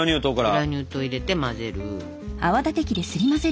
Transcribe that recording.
グラニュー糖入れて混ぜる。